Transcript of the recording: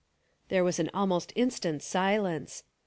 There was an almost instant silence.